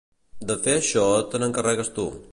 De fer això te n'encarregues tu.